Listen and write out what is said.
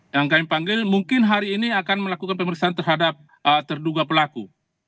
yang kami panggil mungkin hari ini akan melakukan pemeriksaan terhadap terduga pelaku